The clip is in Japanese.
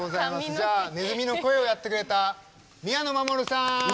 じゃあねずみの声をやってくれた宮野真守さん！